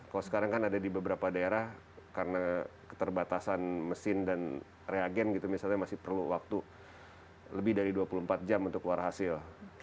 kalau sekarang kan ada di beberapa daerah karena keterbatasan mesin dan reagen gitu misalnya masih perlu waktu lebih dari dua puluh empat jam untuk keluar hasil